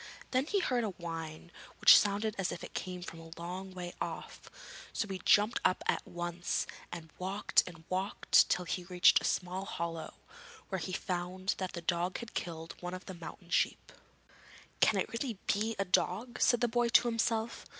Then he heard a whine which sounded as if it came from a long way off, so he jumped up at once and walked and walked till he reached a small hollow, where he found that the dog had killed one of the mountain sheep. 'Can it really be a dog?' said the boy to himself.